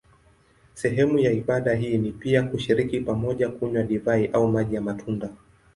Sehemu ya ibada hii ni pia kushiriki pamoja kunywa divai au maji ya matunda.